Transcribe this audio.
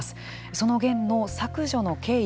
そのゲンの削除の経緯